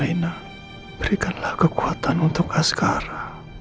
naina berikanlah kekuatan untuk askara